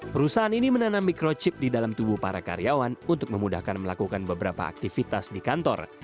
perusahaan ini menanam microchip di dalam tubuh para karyawan untuk memudahkan melakukan beberapa aktivitas di kantor